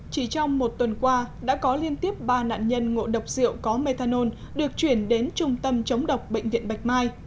chỉ trong một tuần qua đã có liên tiếp ba nạn nhân ngộ độc rượu có methanol được chuyển đến trung tâm chống độc bệnh viện bạch mai